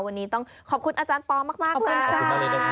วันนี้ต้องขอบคุณอาจารย์ปอล์มากคุณสามารถ